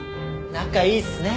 仲いいっすね！